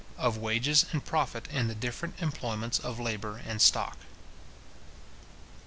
OF WAGES AND PROFIT IN THE DIFFERENT EMPLOYMENTS OF LABOUR AND STOCK.